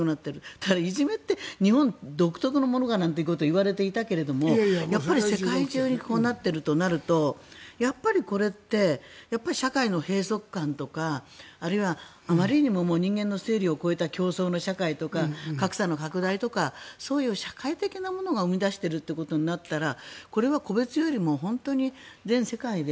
ただ、いじめって日本独特のものだなんていわれていたけど世界中でこうなっているとなるとやっぱりこれって社会の閉塞感とかあるいは競争の社会とか格差の拡大とかそういう社会的なものが生み出しているということになったらこれは個別よりも本当に全世界で